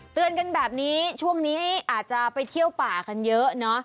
เตือนกันแบบนี้ช่วงนี้อาจจะไปเที่ยวป่ากันเยอะเนอะ